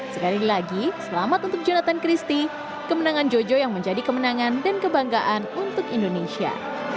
sekali lagi selamat untuk jonathan christie kemenangan jojo yang menjadi kemenangan dan kebanggaan untuk indonesia